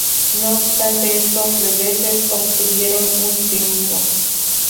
No obstante estos reveses, obtuvieron un triunfo.